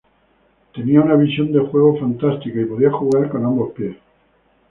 Tenía una visión de juego fantástica, y podía jugar con ambos pies.